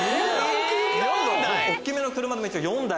大っきめの車一応４台。